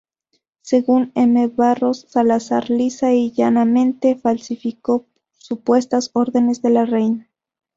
Según M. Barros, Salazar lisa y llanamente falsificó supuestas órdenes de la reina.